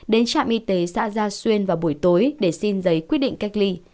đến trạm y tế xã gia xuyên vào buổi tối để xin giấy quyết định cách ly